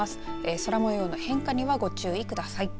空もようの変化にはご注意ください。